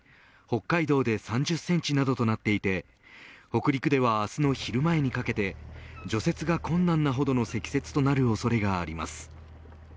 北海道で３０センチなどとなっていて北陸では明日の昼前にかけて除雪が困難なほどの積雪となるおそれがあります。